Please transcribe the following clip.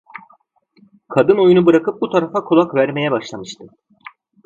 Kadın oyunu bırakıp bu tarafa kulak vermeye başlamıştı.